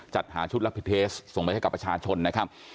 จัดหาชุดรับผิดเทสส่งไปให้กับประชาชนนะครับ